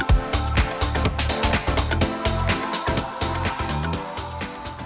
ketika dikotong dikotong kembali